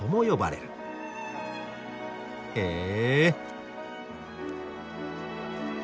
へえ。